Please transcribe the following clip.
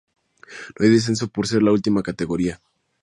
No hay descenso por ser la última categoría.